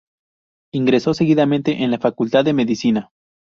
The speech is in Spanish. Ingresó seguidamente en la Facultad de Medicina.